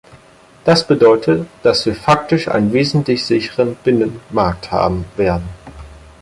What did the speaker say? Das bedeutet, dass wir faktisch einen wesentlich sichereren Binnenmarkt haben werden.